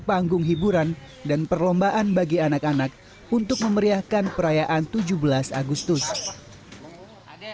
panggung hiburan dan perlombaan bagi anak anak untuk memeriahkan perayaan tujuh belas agustus ada